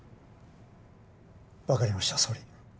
わかりました総理。